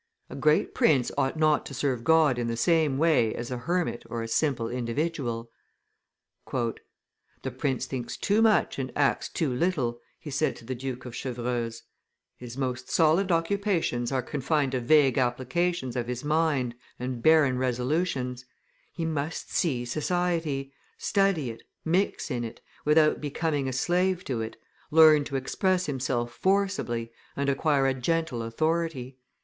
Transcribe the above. A great prince ought not to serve God in the same way as a hermit or a simple individual." "The prince thinks too much and acts too little," he said to the Duke of Chevreuse; "his most solid occupations are confined to vague applications of his mind and barren resolutions; he must see society, study it, mix in it, without becoming a slave to it, learn to express himself forcibly, and acquire a gentle authority.